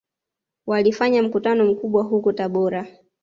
Walifanya mkutano mkubwa huko Tabora